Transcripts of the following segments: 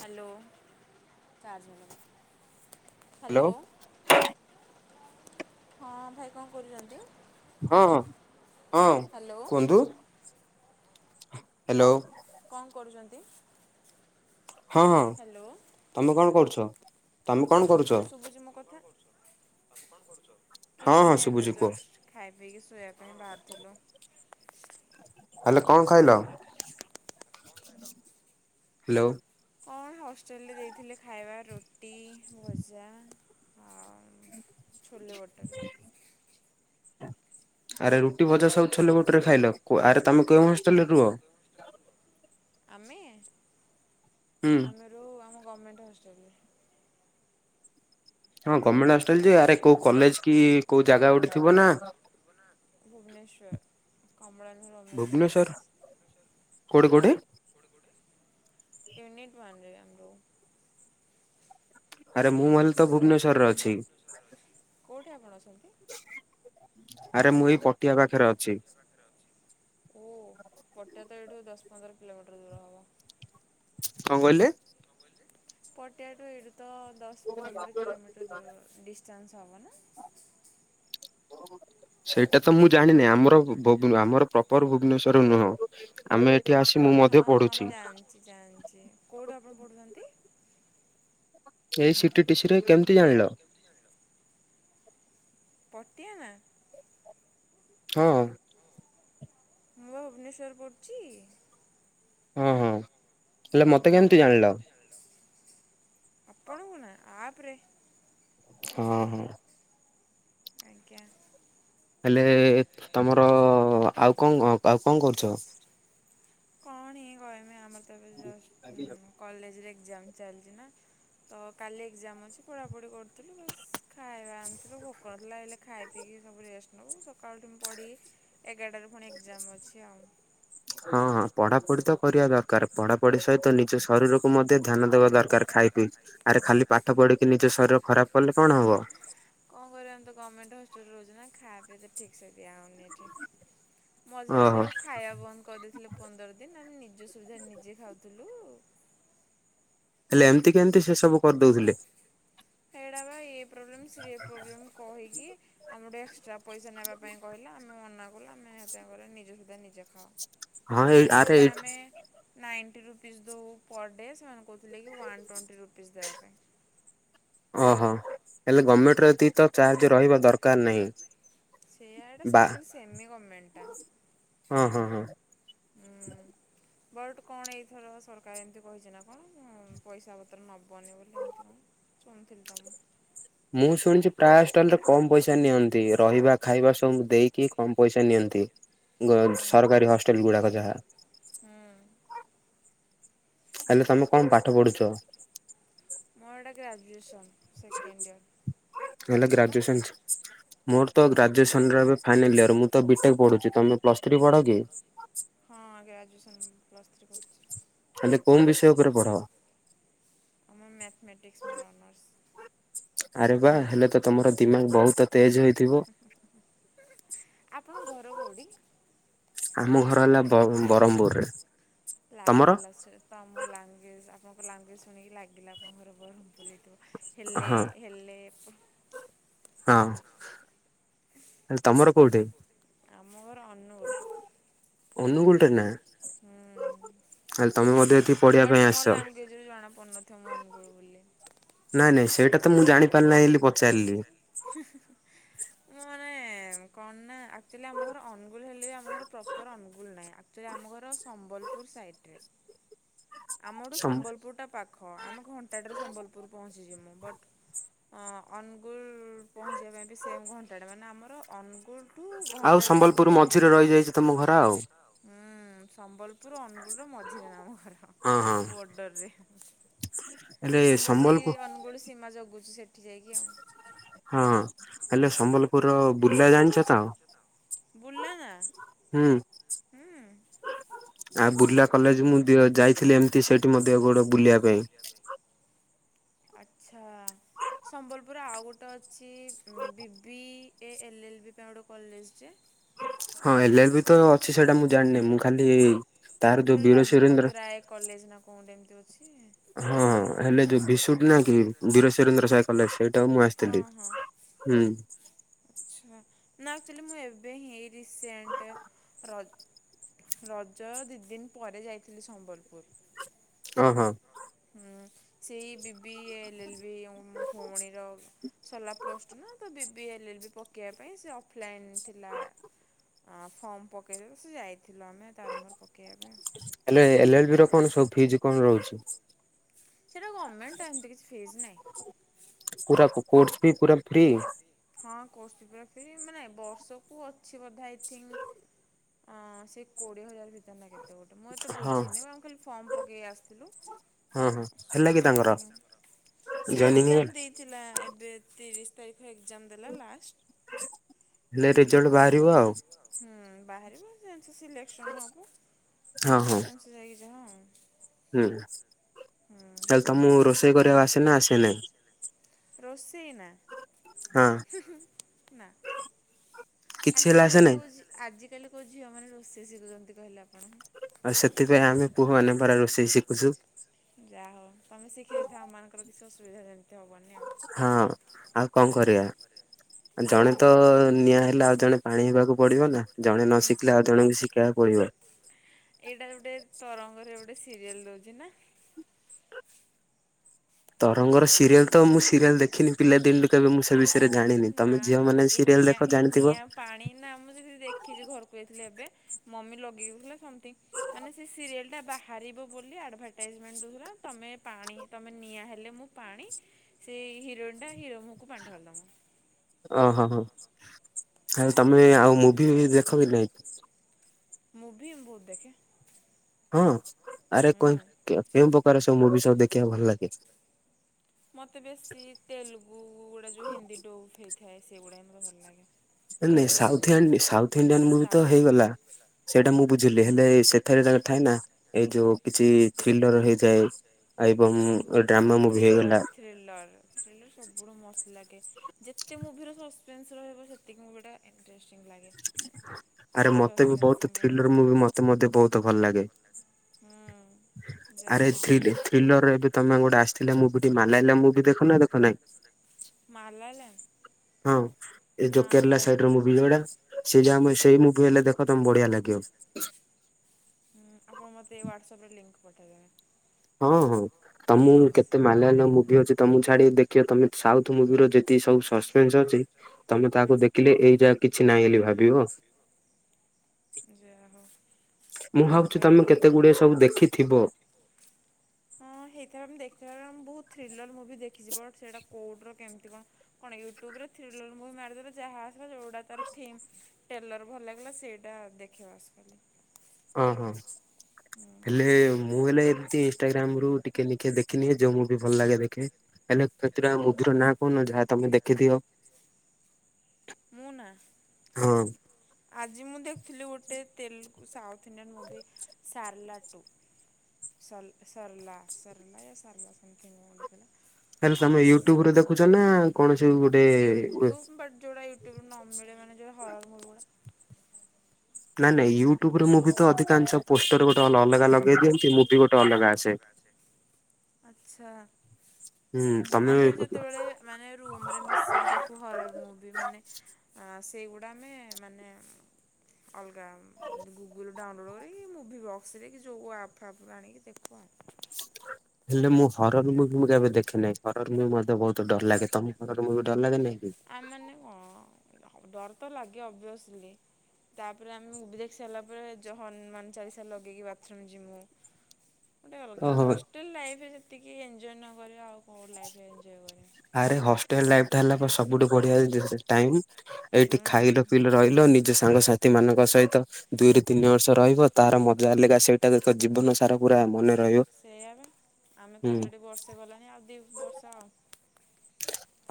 Hello [unintelligible] hello ହଁ ଭାଇ କଣ କରୁଛନ୍ତି? ହଁ ହଁ ହଁ କୁହନ୍ତୁ। କଣ କଣ କରୁଛନ୍ତି? ହଁ ତମେ କଣ କରୁଛ ତମେ କଣ କରୁ ଶୁଭୁଛି ମୋ କଥା କଣ କରୁଚ ତମେ କଣ କରୁଛ କିଛି ନାହିଁ ଏବେ ଯଷ୍ଟ ଖାଇ ପିଇକି ଶୋଇବା ପାଇଁ ବାହାରୁଥିଲୁ। ହାଲୋ କଁ ଖାଇଲ? ହ୍ୟାଲୋ? କଣ ହଷ୍ଟେଲରେ ଦେଇଥିଲେ ଖାଇବା ରୋଟି ଭଜା ଆଉ ଛୋଲେ ବଟରେ। ଆରେ ରୁଟି ଭଜା ସବୁଛୋଲେ ବୋଟରେ ଖାଇଲ ଆରେ ତମେ କେଉଁ ହଷ୍ଟେଲ ରେ ରୁହ? ଆମେ? ଆମେ ରହୁ ଆମ ଗମେଣ୍ଟ ହଷ୍ଟେଲରେ। ହଁ ଗମେଣ୍ଟ ହଷ୍ଟେଲ ଆରେ କୋଉ କଲେଜ କି କୋଉ ଜାଗା ଗୋଟେ ଥିବ ନା? ଭୁବନେଶ୍ୱର କାମଳାନ ଓମେନ୍ସ କଲେଜ୍। କୋଉଠି କୋଉଠି? ୟୁନିଟ୍ ୱାନରେ ଆମରୋ। ଆରେ ମୁଁ ମାଲ୍ ତ ଭୁବନେଶ୍ଵରରେ ଅଛି। କୋଉଠି ଆପଣ ଅଛନ୍ତି? ଆରେ ମୁଁ ଏଇ ପଟିଆ ପାଖରେ ଅଛି। ଓ ପଟିଆ ତ ଏଇଠୁ ଦସ୍ ପନ୍ଦର କିଲୋମିଟର ଦୂର ହବ। କଣ କହିଲେ? ପଟିଆ ତ ଏଇଠୁ ତ ଦଶ ପନ୍ଦର କିଲୋମିଟର ଦୂର ଡିଟାନ୍ସ ହବ ନାଁ? ସେଇଟା ତ ମୁଁ ଜାଣିନି ଆମର ଆମର ପ୍ରପର ଭୁବନେଶ୍ଵର ନୁହଁ ଆମେ କ୍ୟାସ୍ ମୁ ହଁ ହଁ ମୁଁ ଜାନ୍ଚି ଜାନ୍ଚି କଉଠୁ ଆପଣ ପଢ଼ୁଛନ୍ତି? ଏଇ ସିଟି ଟିସି ରେ କେମିତି ଜାଣିଲ? ପଟିଆ ନା? ହଁ। ମୁଁ ଭୁବନେଶ୍ୱରରେ ପ଼ଢୁଚି। ହୁଁ ହୁଁ। ହୁଁ ଆପଣଙ୍କୁ ନାଁ ଆପ ରେ। ହଁ ହଁ। ଆଜ୍ଞା। ହେଲେ ତମର ଆଉ ଙ୍କ ଙ୍କ ଆଉ କଣ କରୁଛ? କଣ ହି କହିବି ଆମର ତ ଏବେ ଯଷ୍ଟ କଲେଜରେ ଏକ୍ଜାମ ଚାଲିଛି ନା। ତ କାଲି ଏକ୍ଜାମ ଅଛି ପଢାପଢ଼ୀ କରୁଥିଲୁ ବସ୍ ଖାଇବା ଆଣିଥିଲୁ ଭୋକ ଲାଗୁଥିଲା ହେଲେ ଖାଇ ପିଇକି ସବୁ ରେଷ୍ଟ ନେବୁ ସକାଳୁଠୁ ମୁଁ ପଢ଼ିକି ଏଗାରଟାରୁ ପୁଣି ଏକ୍ଜାମ ଅଛି ଆଉ। ହଁ ହଁ ପଢାପଢି ତ କରିବା ଦରକାର ପଢାପଢି ସହିତ ନିଜ ଶରୀରକୁ ମଧ୍ୟ ଧ୍ୟାନ ଦେବା ଦରକାର। ଦରକାର ଖାଇ [unintelligible] ଆରେ ଖାଲି ପାଠ ପଢିକି ନିଜ ଶରୀର କୁ ଖରାପ କଲେ କଣ ହବ। କଣ କରିବା ତ ଗମେଣ୍ଟ ହଷ୍ଟଲେ ରହୁଛୁ ନା ଖା ଦ୍ୟ ଠିକ୍ସସେ ଦିଆ ହେଉନି ଏଠି ମଝିରେ ତ ଖାଇବା ବନ୍ଦ କରିଦେଇଥିଲେ ପନ୍ଦର ଦିନ୍ ଆମେ ନିଜ ସୁବିଧାରେ ନିଜେ ଖାଉଥିଲୁ। ହେଲେ ଏମିତି କେମିତି ସେ ସବୁ କରିଦଉଥିଲେ? ହେଇଟା ବା ଏ ପ୍ରୋବ୍ଲେମ୍ ସେ ଏ ପ୍ରୋବ୍ଲେମ୍ କହିକି ଆମଠୁ ଏକ୍ସଟା ପଇସା ନେବା ପାଇଁ କହିଲା ଆମେ ମନା କଲୁ ଆମେ ତାପରେ ନିଜ କଥା ନିଜେ ଖାଉ। [inaudible] ମାନେ ଯୋଉଟା ଆମେ ନାଇଣ୍ଟି ରୁପିସ୍ ଦଉ ପର୍ ଡେ ସେମାନେ କହୁଥିଲେ କି ୱାନ୍ ଟ୍ୱେଣ୍ଟି ରୁପିସ୍ ଦେବା ପାଇଁ। ହ ହ ହେଲେ ଗମେଣ୍ଟ ତିତ ଚାର୍ଜ ରହିବା ଦରକାର ନାହିଁ ବା ସେମି ଗମେଣ୍ଟ ଟା। ହଁ ହଁ ହଁ ବଟ୍ କଣ ଏଇଥର ସରକାର ଏମିତି କହିଛି ନା କଣ ପଇସା ପତ୍ର ନବନି ବୋଲି ଏମିତି କଣ। ଶୁଣିଥିଲି ତ ମୁଁ। ମୁଁ ଶୁଣିଛି ପ୍ରାୟ ହଷ୍ଟେଲରେ କମ୍ ପଇସା ନିଅନ୍ତି ରହିବା ଖାଇବା ସବୁ ଦେଇକି କି କମ ପଇସା ନିଅନ୍ତି ଗ ସରକାରୀ ହଷ୍ଟେଲ ଗୁଡାକ ଯାହା। ହଁ ହେଲେ ତମେ କଣ ପାଠ ପଢୁଛ। ମୋର ଏଇଟା ଗ୍ରାଜୁଏସନ୍ ସେକେଣ୍ଡ ଇୟର। ହେଲେ ଗ୍ରାଜୁଏସନ୍ ମୋର ତ ଗ୍ରାଜୁଏସନ୍ ର ଏବେ ଫାଇନାଲ୍ ଇୟର୍ ମୁଁ ତ ବିଟେକ୍ ପଢୁଚି ତମେ ପ୍ଲସ ଥ୍ରୀ ପଢ କି? ହଁ ଗ୍ରାଜୁଏସନ୍ ପ୍ଲସ୍ ଥ୍ରୀ କରୁଛି। ହେଲେ କୋଉ ବିଷୟ ଉପରେ ପଢ? ଆମର ମ୍ୟାଥମେଟିକ୍ସ ମୋର ଅନର୍ସ। ଆରେ ବା ହେଲେ ତ ତମର ଦିମାଗ ବହୁତ ତେଜ ହେଇଥିବ। ଆମ ଘର ହେଲା ବ ବରମ୍ପୁରରେ। ଲାଗିଲା ସେ ତମ ଲାଙ୍ଗୁଏଜ ଆପଣଙ୍କ ଲାଙ୍ଗୁଏଜ ଶୁଣିକି ଲାଗିଲା ଆପଣଙ୍କ ଘର ବରମ୍ପୁର ହେଇଥିବ। ହେଲେ ହେଲେ ହଁ ହେଲେ ତମର କୋଉଠି? ଆମ ଘର ଅନୁଗୁଳ। ଅନୁଗୁଳ ଟାରେ ନା। ତାଲେ ତମେ ମଧ୍ୟ ଏଠି ବଟ୍ ମୋ ଲାଙ୍ଗୁଏଜରୁ ଜଣାପଡ଼ୁନଥିବ ମୁଁ ଅନୁଗୁଳ ବୋଲି। ନାଇଁ ନାଇଁ ସେଇଟା ତ ମୁଁ ଜାଣିପାରିଲି ନାହିଁ ବୋଲି ପଚାରିଲି। ହି ହି ହି ମୁଁ ମାନେ କଣ ନା ଆକ୍ଚୁଆଲି ଆମ ଘର ଅନୁଗୁଲ ହେଲେ ବି ଆମ ଘର ପ୍ରପର ଅନୁଗୁଲ ନାହିଁ। ସେ ଆମ ଘର ସମ୍ବଲପୁର ସାଇଟ୍ ରେ। ଆମଠୁ ସମ୍ବଲପୁରଟା ପାଖ ଆମେ ଘଣ୍ଟାଟାରେ ସମ୍ବଲପୁର ପହଞ୍ଚିଯିମୁ ବଟ୍ ଅନୁଗୁଳ ପହଞ୍ଚିବା ପାଇଁ ବି ସେମ୍ ଘଣ୍ଟାଟେ ମାନେ ଆମର ଅନୁଗୁଳ ରୁ ଘଣ୍ଟା ଟେ ଲାଗୁଛି ଆମ ହୁଁ ସମ୍ବଲପୁର ଅନୁଗୁଳର ମଝିରେ ଆମ ଘର। ବର୍ଡରରେ ଆମେ ବସି ଅନ ସବୁବେଳେ ସୀମା ଜଗୁଛି ସେଠି ଯାଇକି ଆଉ। ହଁ ହେଲେ ସମ୍ବଲପୁରର ବୁର୍ଲା ଜାଣିଛ। ବୁର୍ଲା ହୁଁ ଆଉ ବୁର୍ଲା କଲେଜ ମୁଁ ଯାଇଥିଲି ଏମିତି ସେଠି ମଧ୍ୟ ଗୋଟେ ବୁଲିବା ପାଇଁ। ଆଚ୍ଛା। ସମ୍ବଲପୁର ରେ ଆଉ ଗୋଟେ ଅଛି BB A L L B ପାଇଁ ଗୋଟେ କଲେଜ ଟେ। ହଁ ଏଲ ଏଲ ବି ତ ଅଛି ସେଇଟା ମୁଁ ଜାଣିନି ମୁଁ ଖାଲି କୋଟେ ଲଜପତ ରାୟ କଲେଜ ନା କଣ ଗୋଟେ ଏମିତି ଅଛି। ହଁ ହେଲେ ଯୋଉ ଭିସୁଟ ନା କି ବୀର ସୁରେନ୍ଦ୍ର ସାଇ କଲେଜ ସେଇଟାକୁ ମୁଁ ଆସିଥିଲି। ହୁଁ। ଆଚ୍ଛା ନା ଆକ୍ଚୁଆଲି ମୁଁ ଏବେ ହିଁ ରିସେଣ୍ଟ୍ ରଜ୍ ରଜ ଦି ଦିନ୍ ପରେ ଯାଇଥିଲି ସମ୍ବଲପୁର୍। କହ -କହ। ହୁଁ ସେଇ ବିବି ଏଲ୍ ଏଲ୍ ବି ମୋ ଭଉଣୀର। ସଲା ପ୍ଲଷ୍ଟୁ ନା ତ ବି ବି ଏଲ୍ଏଲ୍ ବି ପକେଇବା ପାଇଁ ସେ ଅଫଲାଇନ ଥିଲା। ଆ ଫର୍ମ ପକାଇଦେଇ ସେ ଯାଇଥିଲୁ ଆମେ ତାର ମୋର ପକେଇବା ପାଇଁ। ହେଲେ ଏଲ୍ ଏଲ୍ ବି ର କଣ ସବୁ ଫିଜ୍ କଣ ରହୁଛି? ସେଟା ଗମେଣ୍ଟ୍ ଟା ଏମତି କିଛି ଫିସ୍ ନାହିଁ। ପୁରା କୋର୍ଟସ୍ ଫ୍ରି ପୁରା ଫ୍ରି। ହଁ କୋର୍ସ ଫ୍ରି ପୁରା ମାନେ ବର୍ଷକୁ ଅଛି ବୋଧେ ଆଇଥିଙ୍କ୍ ହଁ ସେ କୋଡ଼ିଏ ହଜାର ଭିତରେ ନା କେତେ ଗୋଟେ, ମୁଁ ଏତେ ବୁଝିନି ଆମେ ଖାଲି ଫର୍ମ ପକେଇ ଆସିଥିଲୁ। ହଁ- ହଁ ହେଲା କି ତାଙ୍କର ଜଏନିଙ୍ଗ୍ ହେଇଗଲା? ଥିଲା ଏବେ ତିରିଶ୍ ତାରିଖ ଏକ୍ଜାମ୍ ଦେଲା ଲାଷ୍ଟ୍ ହେଲେ ରେଜଲ୍ଟ ବାହାରିବ ଆଉ। ହୁଁ ବାହାରିବ ଯେସି ସିଲେକ୍ସନ୍ ହେବ ସେମିତି ଯାଇକି ଯାହା ଆଉ। ହୁଁ ତାହେଲେ ତମକୁ ରୋଷେଇ କରିବାକୁ ଆସେ ନା ଆସେ ନାହିଁ। ରୋଷେଇ ନା? ହଁ। ହୁଁ- ହୁଁ ନା। ଆଜିକାଲି କୋଉ ଆଜିକାଲି କୋଉ ଝିଅମାନେ ରୋଷେଇ ଶିଖୁଛନ୍ତି କହିଲେ ଆପଣ? ଆଉ ସେଥିପାଇଁ ଆମେ ପୁଅମାନେ ପରା ରୋଷେଇ ଶିଖୁଛୁ। ଯାହା ହଉ ତମେ ଶିଖି ଦେଇଥାଅ ଆମମାନଙ୍କର କିଛି ଅସୁବିଧା ଯେମିତି ହବନି ଆଉ। ହଁ ଆଉ କଣ କରିବା। ଜଣେ ତ ନିଆଁ ହେଲେ ଆଉ ଜଣେ ପାଣି ହେବାକୁ ପଡିବ ନା। ଜଣେ ନ ଶିଖିଲେ ଆଉ ଜଣଙ୍କୁ ଶିଖିବାକୁ ପଡିବ। ଏଇଟା ଗୋଟେ ତରଙ୍ଗରେ ଗୋଟେ ସିରିଏଲ୍ ରହୁଛି ନା? ତରଙ୍ଗର ସି ସିରିଏଲ୍ ତ ମୁଁ ସିରିଏଲ୍ ଦେଖିନି ପିଲା ଦିନରୁ କେବେ ମୁଁ ସେ ବିଷୟରେ ଜାଣିନି, ତମେ ଝିଅମାନେ ସରିଏଲ ଦେଖ ଏଇ ନିଆଁ ପାଣି ନା ମୁଁ ଯଦି ଦେଖିଛି ଘରକୁ ଯାଇଥିଲି ଏବେ ମମି ଲଗେଇଥିଲା ସମଥିଙ୍ଗ ମାନେ ସେ ସିରିଏଲ୍ ଟା ବାହାରିବ ବୋଲି ଆଡଭାଟାଇଜମେଣ୍ଟ୍ ଦଉଥିଲା ତମେ ପାଣି ତମେ ନିଆଁ ହେଲେ ମୁଁ ପାଣି। ସେଇ ହିରୋଇନ୍ ଟା ହିରୋ ମୁହଁକୁ ପାଣି ଢାଳିଦେଲା। ଓହୋ ହଁ ଆଉ ତମେ ଆଉ ମୁଭି ଦେଖକି ନାଇଁ? ମୁଭି ମୁଁ ବୋହୁତ୍ ଦେଖେ। ହଁ ଆରେ କୁ- କେଉଁ ପ୍ରକାର ସବୁ ମୁଭି ସବୁ ଦେଖିବାକୁ ଭଲ ଲାଗେ। ମୋତେ ବେଶୀ ତେଲୁଗୁ ଗୁଡ଼ା ଯେଉଁ ହିନ୍ଦୀ ଡୋଭ୍ ହୋଇଥାଏ, ସେଗୁଡାକ ହିଁ ମୋତେ ଭଲ ଲାଗେ। ହେଲେ south India south Indian movie ତ ହେଇଗଲା। ସେଇଟା ମୁଁ ବୁଝିଲି ହେଲେ ସେଥିରେ ତାଙ୍କର ଥାଏ ନା ଏଇ ଯୋଉଁ କିଛି ଥ୍ରିଲର ହେଇଯାଏ। ଏବଂ। ଥ୍ରିଲର, ଥ୍ରିଲର, ଥ୍ରିଲର ସବୁଢୁ ମସ୍ତ୍ ଲାଗେ। ଯେତେ ମୁଭିର ସସ୍ ପେନ୍ସ୍ ରହିବ ସେତିକି ମୁଭିଟା ଇଂନ୍ଟ୍ର ଷ୍ଟ୍ରିଙ୍ଗ୍ ଲାଗେ। ଆରେ ମତେ ବି ବୋହୁତ ଥ୍ରିଲର ମୁଭି ମତେ- ମତେ ବୋହୁତ ଭଲ ଲାଗେ। ହୁଁ। ଆରେ ଥ୍ରୀଲ୍ ଥ୍ରୀଲରରେ ଏବେ ତମେ ଗୋଟେ ଆସିଥିଲା ମୁଭିଟେ ମାଲାୟାଲମ୍ ମୁଭି ଦେଖ ନା ଦେଖ ନାହିଁ? ମାଲାୟାଲା। ହଁ ଏ ଯୋ କେରଲା ସାଇଡର ମୁଭି ଯୋଉଗୁଡା ସେ ଯୋଉ ଆମ ସେଇ ମୁଭି ହେଲେ ଦେଖ ତମେ ବଢିଆ ଲାଗିବ। ଉଁ ଆପଣ ମୋତେ ୱାଟସପ୍ ରେ ଲିଙ୍କ୍ ପଠେଇଦେବେ। ହଁ ହଁ ତମୁ କେତେ ମାଲାୟାଲମ ମୁଭି ଅଛି ତମୁକୁ ଛାଡିବି ଦେଖିବ ତମେ ସାଉଥ ମୁଭିର ଯେତିକି ସବୁ ସସ୍ପେନ୍ସ୍ ଅଛି ତମେ ତାହାକୁ ଦେଖିଲେ ଏଇ ଯା କିଛି ନାଇଁ ଏଲି ଭାବିବ। ଯାଆ ହଉ। ମୁଁ ଭାବୁଛି ତମେ କେତେ ଗୁଡିଏ ସବୁ ଦେଖିଥିବ। [inaudible] ହଁ ହେଇଥବ ମୁଁ ଦେଖିଲା ଭଳିଆ ମୁଁ ବହୁତ୍ ଥ୍ରୀଲର ମୁଭି ଦେଖିଚି ବଟ୍ ସେଇଟା କୋଉଟିର କେମିତି କଣ କଣ ୟୁଟ୍ୟୁବରେ ଥ୍ରୀଲର ମୁଭି ମାରିଦେଲେ ଯାହା ଆସିଲା ଯୋଉଟା ତାର ଥିମ୍ ଟେଲର ଭଲ ଲାଗିଲା ସେ ଟା ଦେଖେ ବାସ୍ ସଇଲା। ଅଁ ହଁ ହେଲେ ମୁଁ ହେଲେ ଏମିତି ଇନଷ୍ଟାଗ୍ରାମ ରୁ ଟିକେ ନିିକେ ଦେଖିନିଏ, ଯୋଉ ମୁଭି ଭଲଲାଗେ ଦେଖେ, ହେଲେ କେତୁଟା ମୁଭିିର ନାଁ କହୁନ, ଯାହା ତମେ ଦେଖିଥିବ। ମୁଁ ନା। ହଁ। ଆଜି ମୁଁ ଦେଖିଲି ଗୋଟେ ତେଲୁଗୁ ସାଉଥ୍ ଇଣ୍ଡିଆନ୍ ମୁଭି ସାରଲା ଟୁ। ସରଲ୍ ସରଲା ସରଲା ୟା ସାରଲା ସେମିତି ମୁଁ ଅଁ ଗୋଟେ ଲେଖିଥିଲା। ଆଉଗୋଟେ ସାଂ ୟୁଟୁବ୍ ବଟ ଯୋଟା ୟୁ ୟୁଟୁବ୍‌ରୁ ନମିଳେ ମାନେ ଯୋଉରା ହରର୍ ମୁଭି ଗୁଡା। ଯୋଉ [inaudible] ଆଚ୍ଛା, ଆମେ ଯେତେବେଳେ ମାନେ ରୁମ୍ ରେ ମିଶିକି ଦେଖୁ ସବୁ ହରର୍ ମୁଭି ମାନେ ଅ ସେଇଗୁଡା ଆମେ ମାନେ ଅଲଗା ଏନ୍ତି ଗୁଗୁଲ୍ ରେ ଡାଉନଲୋଡ୍ କରିକି ମୁଭି ବକ୍ସରେ କି ଯୋଉ ଆପ୍ ଫାପ୍ ରୁ ଆଣିକି ଦେଖୁଆଉ। ହେଲେ ମୁଁ ହର୍ର୍ ମୁଭୁ ମୁଁ କେବେ ଦେଖେ ନାହିଁ, ହର୍ ର୍ ମୁଭୁ ମତେ ବହୁତ ଡର ଲାଗେ, ତମେ ହର୍ର୍ ମୁଭି ଡରଲାଗେନି ଦେଖିକି? ଆ ମାନେ କଁ ଡର ତ ଲାଗେ ଅବିଅସଲି। ତାପରେ ଆମେ ମୁଭିଦେଖି ସାରିଲାପରେ ଯୋ ହନୁମାନ ଚାଳିସା ଲଗେଇକି ବାଥରୁମ ଯିମୁ। [inaudible] ଗୋଟେ ଅଲଗା ହଷ୍ଟେଲ୍ ଲାଇଫ ରେ ଯେତିକି ଏଞ୍ଜୟ ନ କରିବ, ଆଉ କୋଉ ଲାଇଫରେ ଏଞ୍ଜୟ କରିବ। ଆରେ ହଷ୍ଟେଲ ଲାଇଫ୍ ଟା ହେଲା ପା ସବୁଠୁ ବଢିଆ ଏଦିସଏ ଟାଇମ୍। ଏଇଠି ଖାଇଲ ପିଇଲ ରହିଲ ନିଜ ସାଙ୍ଗସାଥି ମାନଙ୍କ ସହିତ ଦୁଇରୁ ତିନି ବର୍ଷ ରହିବ ତାର ମଜା ଅଲେଗା ସେଇଟାତ ଜୀବନସାରା ପୁରା ମନେରହିବ। ସେଇଆ ବା, ଆମେ ତ ଅଲରେଡି ବର୍ଷେ ଗଲାଣି ଆଉ ଦିବର୍ଷ ଆଉ।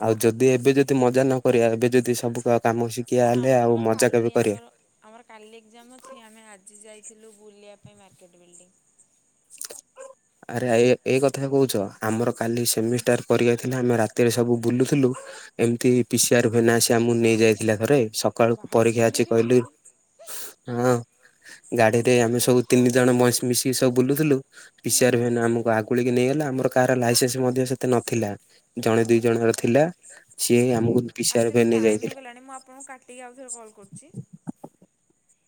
ଆଉ ଯଦି ଏବେ ଯଦି ମଜା ନକରିବା ଏବେ ଯଦି ସବୁ କାମ ଶିଖିବା ହେଲେ ଆଉ ମଜା କେବେ କରିବା। ଆମର କାଲି ଏକ୍ଜାମ ଅଛି ଆମେ ଆଜି ଯାଇଥିଲୁ ବୁଲିବା ପାଇଁ ମାର୍କେଟ୍ ବିଲ୍ଡିଂ। ଆରେ ଆଇଏ ଏଇ କଥା କହୁଛ, ଆମର କାଲି ସେମିଷ୍ଟାର ପରୀକ୍ଷା ଥିଲା ଆମେ ରାତିରେ ସବୁ ବୁଲୁଥୁଲୁ ଏମିତି ପିସିଆର ଭ୍ୟାନ୍ ଆସି ଆମୁ ନେଇ ଯାଇଥିଲା ଥରେ, ସକାଳକୁ ପରୀକ୍ଷା ଅଛି କହିଲି ଅଁ ଗାଡିରେ ଆମେ ସବୁ ତିନି ଜଣ ମଇଷ ମିଶି ସବୁ ବୁଲୁଥୁଲୁ। ପିସିଆର ଭ୍ୟାନ ଆମକୁ ଆଗୁଳିକି ନେଇଗଲା ଆମର କାହାର ଲାଇସେନ୍ସ ମଧ୍ୟ ସେତେ ନଥିଲା, ଜଣେ ଦି ଜଣର ଥିଲା। ସିଏ ହିଁ ଆମୁକୁ ଆକ୍ଚୁଆଲି ଟାଇମ୍ ହେଇଗଲାଣି, ମୁଁ ଆପଣଙ୍କୁ କାଟିକି ଆଉ ଥରେ କଲ୍ କରୁଚି।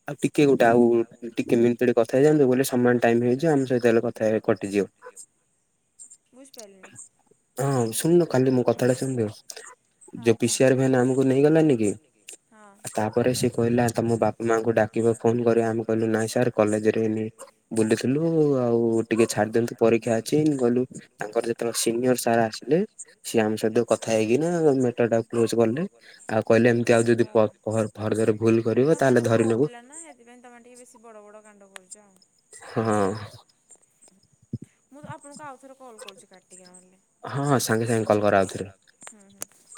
ଆଉ ଟିକେ ଗୋଟେ ଆଉ ଟିକେ ମିନିଟ ଗୋଟେ କଥା ହେଇଯାଆନ୍ତୂ ବୋଇଲେ ସମାନ ଟାଇମ ମିଳିଯିବ ଆମ ସହିତଲେ କଥା କଟିଯିବ। ହୁଁ ଶୁଣିନୁ କାଲି ମୋ କଥାଟା ଶୁଣଦିଅ। ଯୋଉ ପିସିଆର ଭ୍ୟାନ୍ ଆମକୁ ନେଇଗଲାନି କି? ତାପରେ ସେ କହିଲା ତମ ବାପା ମାଆ ଙ୍କୁ ଡାକିବା ଫୋନ କରିଵା ଆମେ କହିଲୁ ନାଇଁ ସାର୍ କଲେଜରେ ଏମିତି ବୁଲିଥିଲୁ ଆଉ। ଟିକେ ଛାଡ଼ିଦିଅନ୍ତୁ ପରୀକ୍ଷା ଅଛି। ମୁଁ ଗଲୁ ତାଙ୍କର ଯେତେବେଳେ ସିନିୟର ସାର୍ ଆସିଲେ। ସିଏ ଆମ ସହିତ କଥା ହେଇକିନା ମେଟର ଟାକୁ କ୍ଲୋଜ କଲେ। ଆଉ କହିଲେ ଏମିତି ଆଉ ଯଦି ଫ ଫରଦରେ ଭୁଲୁ କରିବ ମାନେ ପୁଅ ପିଲା ନା ହେଥିପାଇଁ ତମେ ଟିକେ ବେଶୀ ବଡ ବଡ କାଣ୍ଡ କରୁଚ ଆଉ। ହଁ। ମୁଁ ଆପଣଙ୍କୁ ଆଉ ଥରେ କଲ କରୁଛି କାଟିକା ନହେଲେ। ହଁ ସାଙ୍ଗେ ସାଙ୍ଗେ କଲ କର ଆଉଥରେ। ହୁଁ ହୁଁ।